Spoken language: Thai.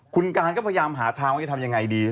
คุณการก็พยายามหาทางว่าจะทำยังไงดี